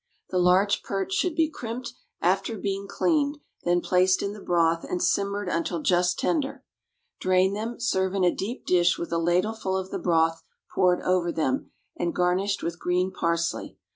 The large perch should be crimped, after being cleaned, then placed in the broth and simmered until just tender. Drain them, serve in a deep dish with a ladleful of the broth poured over them, and garnished with green parsley.